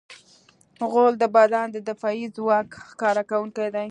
غول د بدن د دفاعي ځواک ښکاره کوونکی دی.